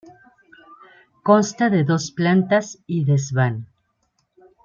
Consta de dos plantas y desván.